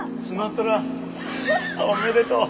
ハハおめでとう。